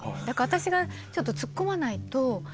だから私がちょっとツッコまないと。